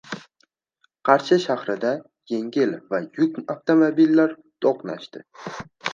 Qarshi shahrida yengil va yuk avtomobillar to‘qnashdi